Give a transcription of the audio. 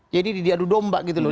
jadi diadu domba gitu loh